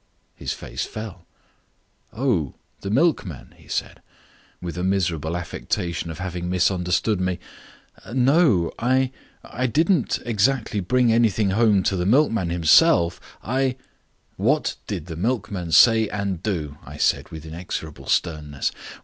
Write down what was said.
His face fell. "Oh, the milkman," he said, with a miserable affectation at having misunderstood me. "No, I I didn't exactly bring anything home to the milkman himself, I " "What did the milkman say and do?" I said, with inexorable sternness.